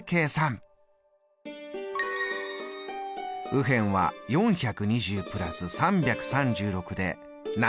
右辺は４２０＋３３６で７５６。